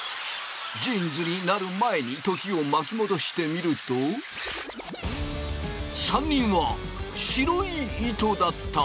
ジーンズになる前に時を巻き戻してみると３人は白い糸だった。